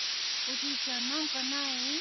おじいちゃん何かない？